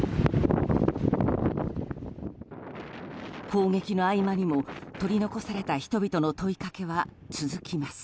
砲撃の合間にも取り残された人々の問いかけは続きます。